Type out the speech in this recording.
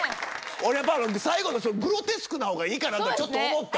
俺やっぱ最後のグロテスクな方がいいかなってちょっと思った。